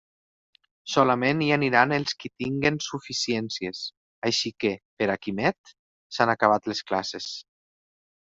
Solament hi aniran els qui tinguen suficiències; així que, per a Quimet, s'han acabat les classes.